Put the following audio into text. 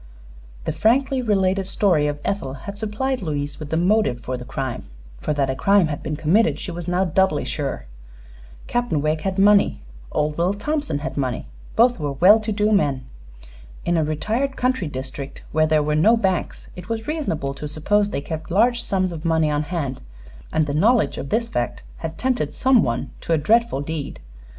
The frankly related story of Ethel had supplied Louise with the motive for the crime, for that a crime had been committed she was now doubly sure. Captain Wegg had money; old Will Thompson had money; both were well to do men. In a retired country district, where there were no banks, it was reasonable to suppose they kept large sums of money on hand, and the knowledge of this fact had tempted some one to a dreadful deed.